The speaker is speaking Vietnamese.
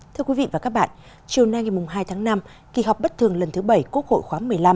thưa quý vị và các bạn chiều nay ngày hai tháng năm kỳ họp bất thường lần thứ bảy quốc hội khóa một mươi năm